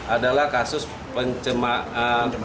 adalah kasus pencemaran